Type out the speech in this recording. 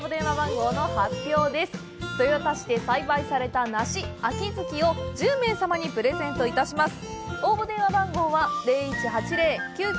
豊田市で栽培された「あきづき」を１０名様にプレゼントいたします。